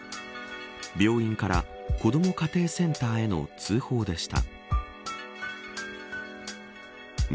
病院から子ども家庭センターへの通報でした。